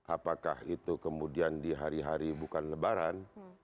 apakah itu kemudian di hari hari bukan lebaran